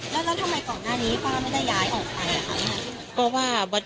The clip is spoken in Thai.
แล้วแล้วทำไมกล่องหน้านี้ก็ไม่ได้ย้ายออกไปล่ะคะค่ะก็ว่า